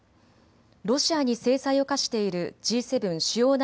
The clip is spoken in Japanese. ロシアに制裁を科しているＧ７